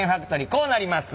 こうなります。